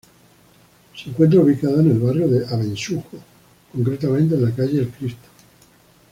Se encuentra ubicada en el barrio de Abetxuko, concretamente en la calle El Cristo.